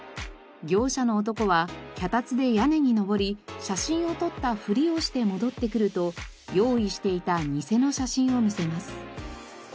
業者の男は脚立で屋根に上り写真を撮ったふりをして戻ってくると用意していたニセの写真を見せます。